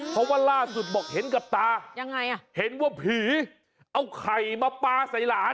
เพราะว่าล่าสุดบอกเห็นกับตายังไงอ่ะเห็นว่าผีเอาไข่มาปลาใส่หลาน